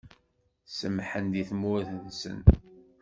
Semḥen di tmurt-nsen.